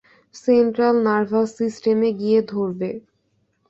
Central nervous সিস্টেমে গিয়ে ধরবে।